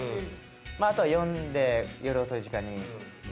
あとは呼んで「夜遅い時間にごめんね」。